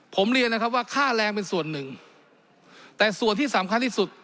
ผมเรียนนะครับว่าค่าแรงเป็นส่วนหนึ่งแต่ส่วนที่สำคัญที่สุด